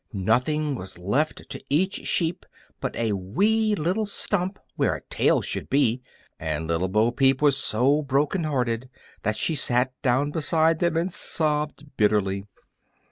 Nothing was left to each sheep but a wee little stump where a tail should be, and Little Bo Peep was so heart broken that she sat down beside them and sobbed bitterly.